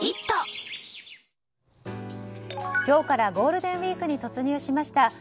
今日からゴールデンウィークに突入しました。